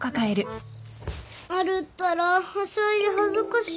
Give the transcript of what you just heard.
なるったらはしゃいで恥ずかしい。